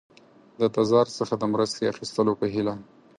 د تزار څخه د مرستې اخیستلو په هیله.